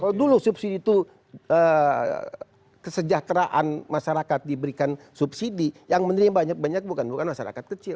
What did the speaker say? kalau dulu subsidi itu kesejahteraan masyarakat diberikan subsidi yang menerima banyak banyak bukan masyarakat kecil